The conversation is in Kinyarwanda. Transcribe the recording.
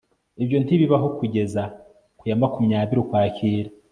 Ibyo ntibibaho kugeza ku ya makumya biri Ukwakira